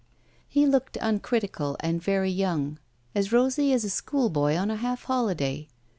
He looked uncritical and very young, as rosy as a school boy on a half holiday.